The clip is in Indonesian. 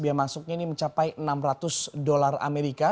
bebas bea masuknya ini mencapai enam ratus dolar amerika